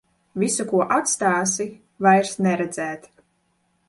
Visu, ko atstāsi, vairs neredzēt.